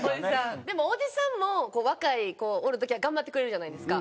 でもおじさんも若い子おる時は頑張ってくれるじゃないですか。